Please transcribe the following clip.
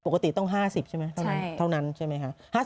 ปกติต้อง๕๐ใช่ไหมเท่านั้นใช่ไหมคะ